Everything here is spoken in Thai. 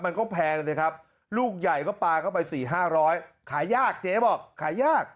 มันก็แพงสิครับลูกใหญ่ก็ปลาเข้าไป๔๕๐๐ขายยากเจ๊บอกขายยาก